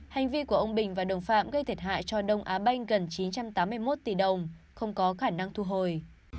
hành vi của ông bình và đồng phạm gây thiệt hại cho đông á banh gần chín trăm tám mươi một tỷ đồng không có khả năng thu hồi